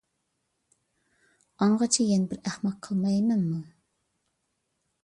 ئاڭغىچە يەنە بىر ئەخمەق قىلمايمەنمۇ!